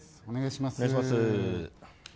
お願いします。